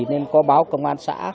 nên có báo công an xã